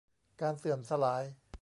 การเสื่อมสลาย